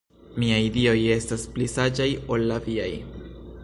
Miaj Dioj estas pli saĝaj ol la viaj.